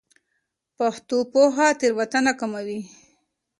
پښتو پوهه تېروتنه کموي.